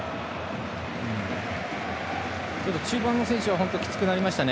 中盤の選手はきつくなりました。